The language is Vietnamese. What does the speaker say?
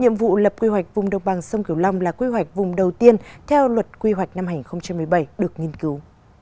nhiệm vụ lập quy hoạch vùng đồng bằng sông kiều long là quy hoạch vùng đầu tiên theo luật quy hoạch năm hai nghìn một mươi bảy được nghiên cứu